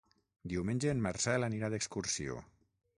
Diumenge en Marcel anirà d'excursió.